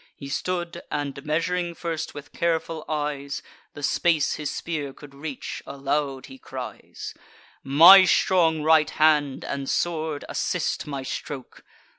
He stood, and, measuring first with careful eyes The space his spear could reach, aloud he cries: "My strong right hand, and sword, assist my stroke!